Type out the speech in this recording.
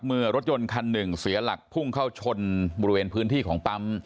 รถยนต์คันหนึ่งเสียหลักพุ่งเข้าชนบริเวณพื้นที่ของปั๊ม